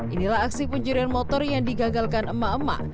inilah aksi pencurian motor yang digagalkan emak emak